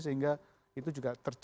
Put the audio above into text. sehingga itu juga tercerminkan